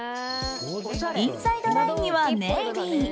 インサイドラインにはネイビー。